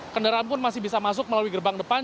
kendaraan pun masih bisa masuk melalui gerbang depan